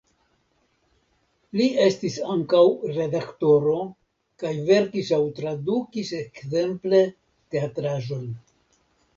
Li estis ankaŭ redaktoro kaj verkis aŭ tradukis ekzemple teatraĵojn.